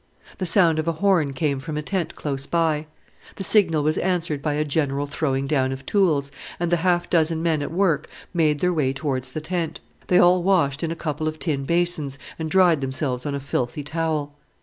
The sound of a horn came from a tent close by. The signal was answered by a general throwing down of tools, and the half dozen men at work made their way towards the tent. They all washed in a couple of tin basins, and dried themselves on a filthy towel.